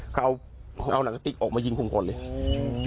เค้าเอานาคาติ๊กอกมายิงคนคนเลย